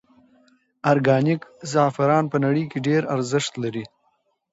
ارګانیک زعفران په نړۍ کې ډېر ارزښت لري.